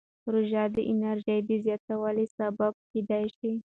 روژه د انرژۍ د زیاتوالي سبب کېدای شي.